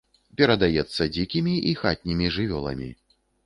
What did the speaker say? Перадаецца дзікімі і хатнімі жывёламі.